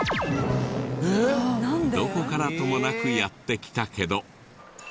どこからともなくやって来たけど。